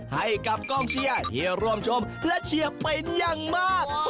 ให้กับกองเชียร์ที่ร่วมชมและเชียร์เป็นอย่างมาก